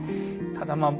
ただまあ